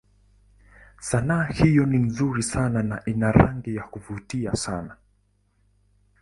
Sanaa hiyo ni nzuri sana na ina rangi za kuvutia sana.